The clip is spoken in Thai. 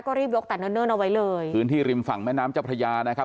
ก็รีบยกแต่เนิ่นเอาไว้เลยพื้นที่ริมฝั่งแม่น้ำเจ้าพระยานะครับ